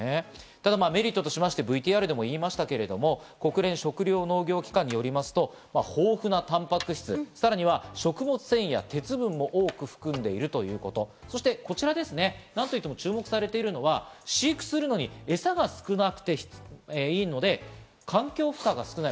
ただ、メリットとしてＶＴＲでも言いましたけど、国連食糧農業機関によりますと、豊富なタンパク質、さらには食物繊維や鉄分も多く含んでいるということ、そしてこちらですね、何と言っても注目されているのは、飼育するのにエサが少なくていいので環境負荷が少ない。